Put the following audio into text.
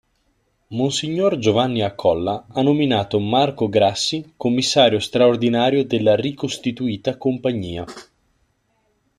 Mons. Giovanni Accolla ha nominato Marco Grassi commissario straordinario della ricostituita Compagnia.